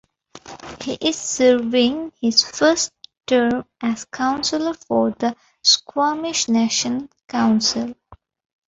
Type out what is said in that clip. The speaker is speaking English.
He is serving his first term as councillor for the Squamish Nation Council.